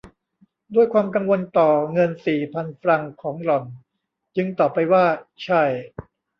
ด้วยความกังวลต่อเงินสี่พันฟรังส์ของหล่อน จึงตอบไปว่า ใช่